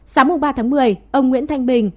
sáng ba tháng một mươi ông nguyễn thanh bình